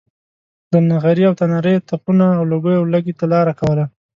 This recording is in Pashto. له نغري او تناره یې تپونو او لوګیو ولږې ته لاره کوله.